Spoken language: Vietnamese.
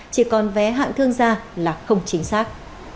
chỉ còn vé hạng thương gia là không chính xác